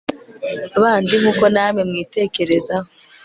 bandi nk uko namwe mwitekerezaho